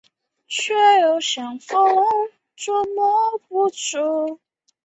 波克罗夫卡农村居民点是俄罗斯联邦沃罗涅日州巴甫洛夫斯克区所属的一个农村居民点。